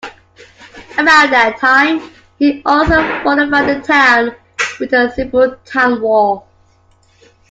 Around that time, he also fortified the town with a simple town wall.